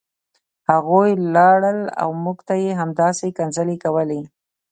هغوی لاړل او موږ ته یې همداسې کنځلې کولې